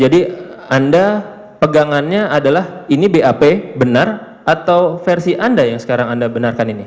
jadi anda pegangannya adalah ini bap benar atau versi anda yang sekarang anda benarkan ini